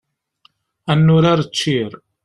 Ad nurar ččir.